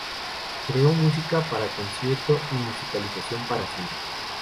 Creó música para concierto y musicalización para cine.